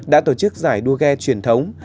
đã tổ chức giải đua ghe truyền thống